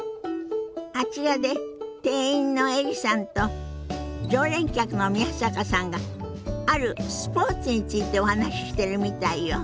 あちらで店員のエリさんと常連客の宮坂さんがあるスポーツについてお話ししてるみたいよ。